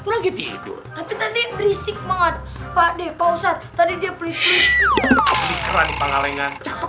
lagi tidur tapi tadi berisik banget pak dek pausat tadi dia plis plis